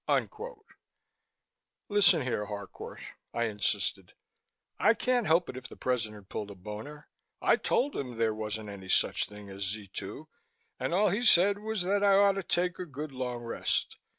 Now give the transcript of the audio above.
Unquote." "Listen here, Harcourt," I insisted. "I can't help it if the President pulled a boner. I told him there wasn't any such thing as Z 2 and all he said was that I ought to take a good long rest.